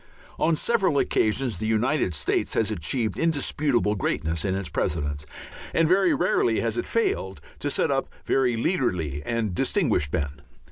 On several occasions the United States has achieved indisputable greatness in its Presidents, and very rarely has it failed to set up very leaderly and distinguished men.